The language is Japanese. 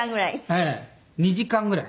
ええ２時間ぐらい。